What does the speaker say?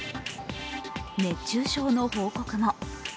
熱中症の報告も。